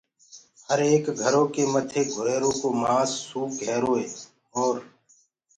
هر ايڪ گھرو ڪي مٿي گُھريرو ڪو مآس سوڪ هيروئي اور